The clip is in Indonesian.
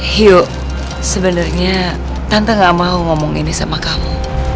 hiu sebenarnya tante nggak mau ngomong ini sama kamu